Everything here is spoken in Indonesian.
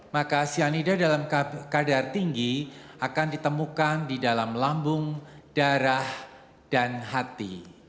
maka cyanida dalam kadar tinggi akan ditemukan di dalam lambung darah dan hati